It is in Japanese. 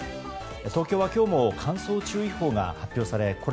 東京は今日も乾燥注意報が発表され